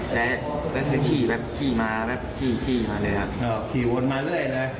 และก็คือขี่แป๊บขี่มาแป๊บขี่มาเลยครับ